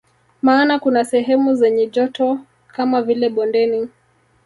Maana kuna sehemu zenye joto kama vile bondeni